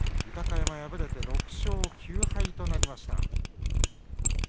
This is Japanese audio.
豊山、敗れて６勝９敗となりました。